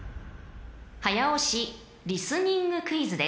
［早押しリスニングクイズです］